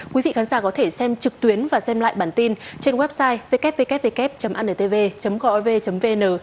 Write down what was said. quý vị khán giả có thể xem trực tuyến và xem lại bản tin trên website wwww antv gov vn